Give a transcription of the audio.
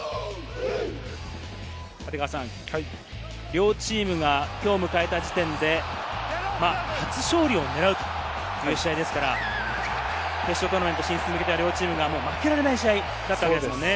両チームがきょう迎えた時点で、初勝利を狙うという試合ですから決勝トーナメント進出に向けては両チームが負けられない試合だったわけですね。